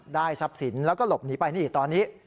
ได้สับสินแล้วก็หลบหนีไปตอนนี้